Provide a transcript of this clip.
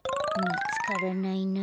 みつからないな。